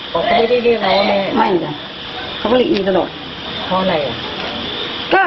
เขาไม่ได้เรียกเราว่าแม่ไม่นะเขาก็เรียกอีตลอดเพราะอะไรอ่ะ